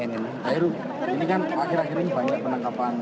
ini kan akhir akhir ini banyak penangkapan